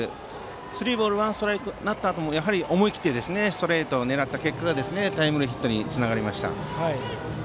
スリーボールワンストライクになったあとも思い切ってストレートを狙った結果がタイムリーヒットにつながりました。